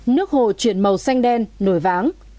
nước hồ chuyển màu xanh đen nổi váng